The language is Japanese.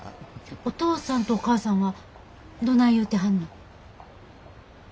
お父さんとお母さんはどない言うてはんの？